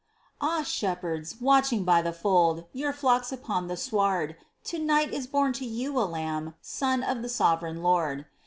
Ah, Shepherds, watching by the fold Your flocks upon the sward. To night is born to you a Lamb, Son of the sovereign Lord